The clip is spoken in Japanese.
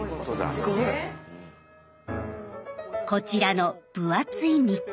すごい！こちらの分厚い日記。